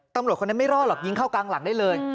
ตำรวจคนนั้นไม่รอดหรอกยิงเข้ากลางหลังได้เลย